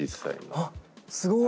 あっすごい！